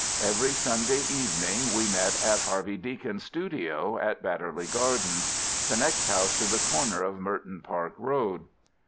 Every Sunday evening we met in Harvey Deacon's studio at Badderly Gardens, the next house to the corner of Merton Park Road.